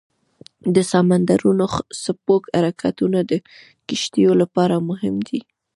د سمندرونو څپو حرکتونه د کشتیو لپاره مهم دي.